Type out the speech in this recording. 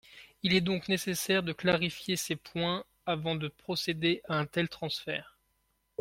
Il est donc nécessaire de clarifier ces points avant de procéder à un tel transfert.